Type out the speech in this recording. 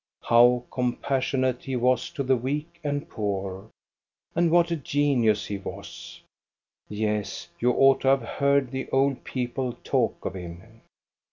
How compassionate he was to the weak and poor ! And what a genius he was ! Yes, you ought to have heard the old people talk of him.